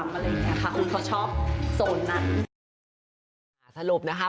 อะไรอย่างเนี้ยค่ะคุณเขาชอบโซนนั้นสรุปนะคะ